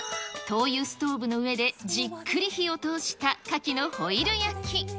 灯油ストーブの上で、じっくり火を通したカキのホイル焼き。